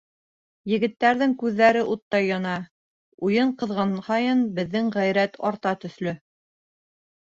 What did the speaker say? Егеттәрҙең күҙҙәре уттай яна, уйын ҡыҙған һайын, беҙҙең ғәйрәт арта төҫлө.